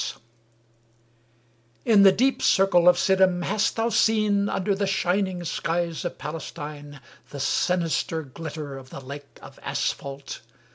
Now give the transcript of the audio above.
COWARDS /* In the deep circle of Siddim hast thou seen, Under the shining skies of Palestine, The sinister glitter of the Lake of Asphalt?